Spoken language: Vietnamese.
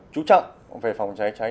chú trọng về phòng cháy cháy